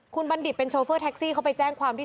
คุณบัณฑิตเป็นโชเฟอร์แท็กซี่เขาไปแจ้งความที่